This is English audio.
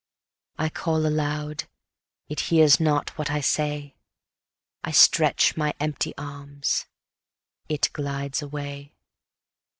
I call aloud; it hears not what I say: I stretch my empty arms; it glides away.